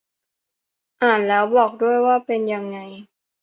อ่านแล้วบอกด้วยว่าเป็นยังไง